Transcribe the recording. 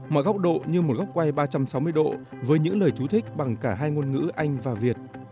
mọi góc độ như một góc quay ba trăm sáu mươi độ với những lời chú thích bằng cả hai ngôn ngữ anh và việt